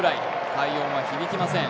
快音は響きません。